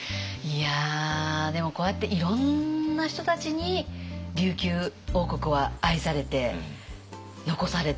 いやでもこうやっていろんな人たちに琉球王国は愛されて残されて伝統も。